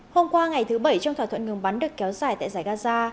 hôm qua ngày thứ bảy trong thỏa thuận ngừng bắn được kéo dài tại giải gaza